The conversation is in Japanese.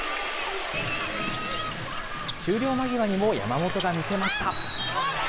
終了間際にも山本が見せました。